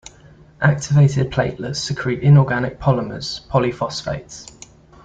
Activated platelets secrete inorganic polymers, polyphosphates.